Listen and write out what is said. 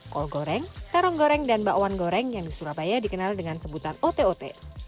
kol goreng terong goreng dan bakwan goreng yang di surabaya dikenal dengan sebutan ote ote